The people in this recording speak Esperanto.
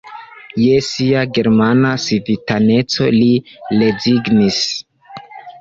Je sia germana civitaneco li rezignis.